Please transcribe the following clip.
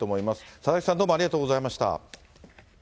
佐々木さん、ありがとうございました。